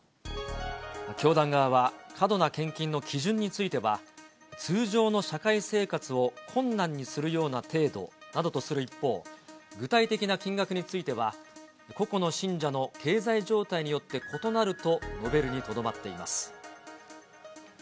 教団側は、過度な献金の基準については、通常の社会生活を困難にするような程度などとする一方、具体的な金額については個々の信者の経済状態によって異なると述べるにとどまっています。